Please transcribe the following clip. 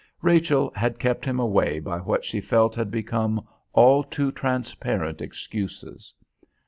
Rachel had kept him away by what she felt had become all too transparent excuses.